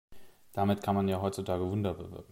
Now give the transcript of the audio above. Damit kann man ja heutzutage Wunder bewirken.